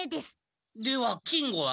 では金吾は？